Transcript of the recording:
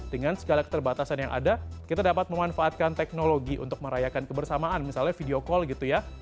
dengan segala keterbatasan yang ada kita dapat memanfaatkan teknologi untuk merayakan kebersamaan misalnya video call gitu ya